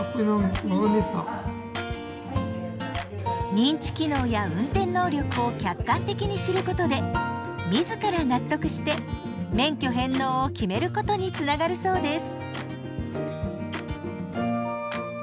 認知機能や運転能力を客観的に知ることで自ら納得して免許返納を決めることにつながるそうです。